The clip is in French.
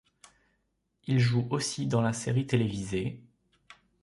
Il joue aussi dans la série télévisée '.